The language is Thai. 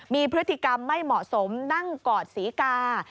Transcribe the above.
มีพฤติกรรมไม่เหมาะสมนั่งกอดศรีกา